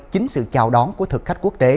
chính sự chào đón của thực khách quốc tế